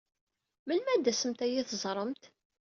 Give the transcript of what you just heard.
Melmi ad tasemt ad iyi-teẓṛemt?